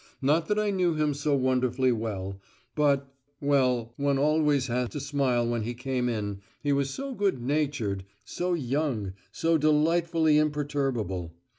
Not that I knew him so wonderfully well but ... well, one always had to smile when he came in; he was so good natured, so young, so delightfully imperturbable.